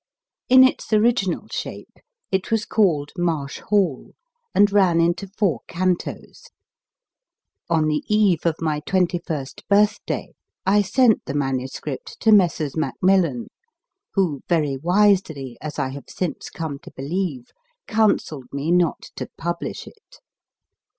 In its original shape it was called Marsh Hall, and ran into four cantos. On the eve of my twenty first birthday I sent the MS. to Messrs. Macmillan, who, very wisely, as I have since come to believe, counselled me not to publish it.